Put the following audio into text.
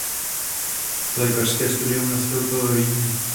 Lékařské studium nastoupil ve Vídni.